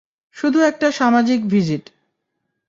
শুধু একটা সামাজিক ভিজিট।